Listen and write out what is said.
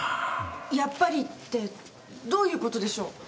やっぱりってどういう事でしょう？